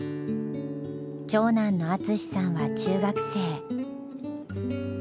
長男の淳さんは中学生。